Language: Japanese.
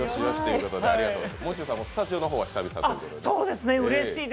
もう中さんもスタジオは久々ということで。